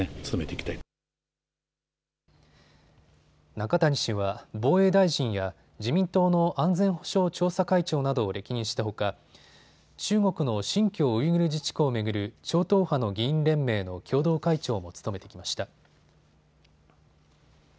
中谷氏は防衛大臣や自民党の安全保障調査会長などを歴任したほか中国の新疆ウイグル自治区を巡る超党派の議員連盟の共同会長も務めてきました。